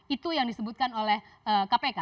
itu yang disebutkan oleh kpk